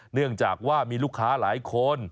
เนื่องจากว่ามีลูกค้าหลายคน